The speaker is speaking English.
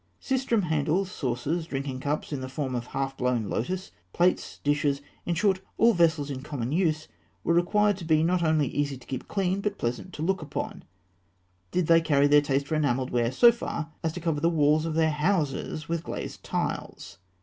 Sistrum handles, saucers, drinking cups in the form of a half blown lotus, plates, dishes in short, all vessels in common use were required to be not only easy to keep clean, but pleasant to look upon. Did they carry their taste for enamelled ware so far as to cover the walls of their houses with glazed tiles?